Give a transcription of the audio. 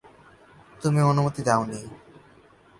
তুমি অনুমতি দাওনি।